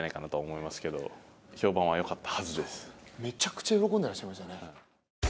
めちゃくちゃ喜んでいらっしゃいましたよね。